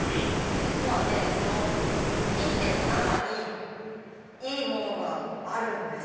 実はねＫＩＴＴＥの中にいいものがあるんです。